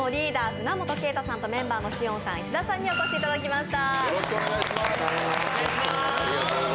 船本恵太さんと、メンバーの紫苑さん、石田さんにお越しいただきました。